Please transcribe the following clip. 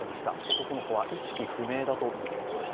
男の子は意識不明だということです。